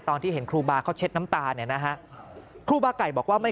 ตอนที่เห็นครูบาเขาเช็ดน้ำตาเนี่ยนะฮะครูบาไก่บอกว่าไม่